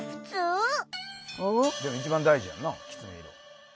でも一番大事やんなきつね色。